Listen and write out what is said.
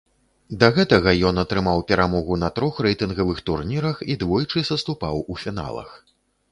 Да гэтага, ён атрымаў перамогу на трох рэйтынгавых турнірах і двойчы саступаў у фіналах.